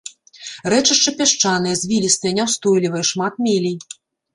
Рэчышча пясчанае, звілістае, няўстойлівае, шмат мелей.